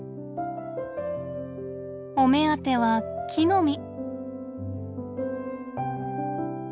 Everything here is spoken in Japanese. お目当ては木の実。